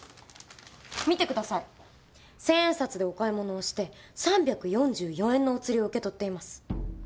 見てください千円札でお買い物をして３４４円のお釣りを受け取っています。